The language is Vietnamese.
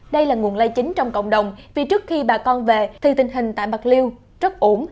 đây là nguồn lây chính trong cộng đồng vì trước khi bà con về thì tình hình tại bạc liêu rất ổn